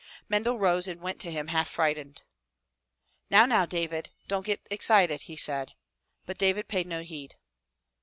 Mendel rose and went to him half frightened. "Now, now, David, don't get excited," he said. But David paid no heed.